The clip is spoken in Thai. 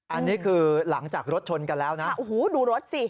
อันนี้คือหลังจากรถชนกันแล้วนะโอ้โหดูรถสิ